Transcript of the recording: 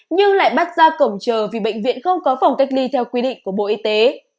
nhưng lại bắt ra cổng chờ vì bệnh viện không có phòng cách ly theo quy định của bộ y tế